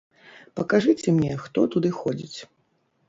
Пакажыце мне, хто туды ходзіць.